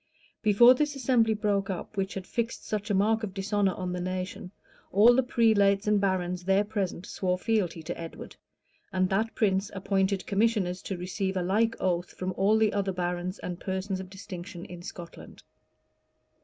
[] Before this assembly broke up, which had fixed such a mark of dishonor on the nation, all the prelates and barons there present swore fealty to Edward; and that prince appointed commissioners to receive a like oath from all the other barons and persons of distinction in Scotland.